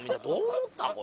どう思った？